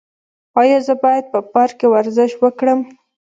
ایا زه باید په پارک کې ورزش وکړم؟